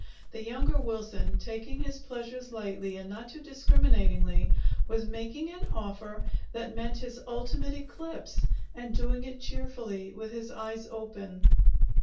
The younger Wilson, taking his pleasures lightly and not too discriminatingly, was making an offer that meant his ultimate eclipse, and doing it cheerfully, with his eyes open.